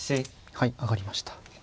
はい上がりました。